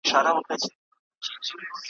خامخا به یې یو شی وو ځغلولی `